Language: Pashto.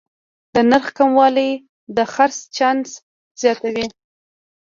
د نرخ کموالی د خرڅ چانس زیاتوي.